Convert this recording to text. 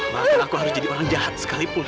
bahkan aku harus jadi orang jahat sekalipun